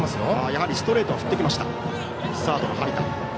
やはりストレートは振ってきました。